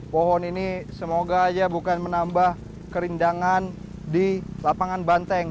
pohon ini semoga aja bukan menambah kerindangan di lapangan banteng